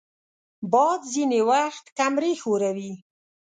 باد ځینې وخت کمرې ښوروي